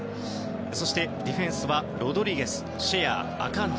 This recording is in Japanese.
そしてディフェンスはロドリゲス、シェア、アカンジ